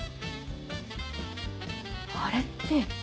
あれって。